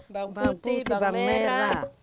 bawang putih bawang merah